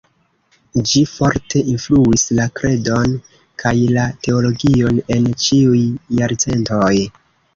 Ĝi forte influis la kredon kaj la teologion en ĉiuj jarcentoj.